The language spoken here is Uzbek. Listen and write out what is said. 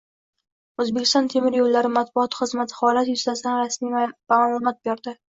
O‘zbekiston temir yo‘llari matbuot xizmati holat yuzasidan rasmiy ma’lumot berdi